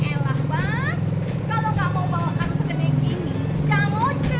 kalau gak mau bawa karung segede begini jangan ngecek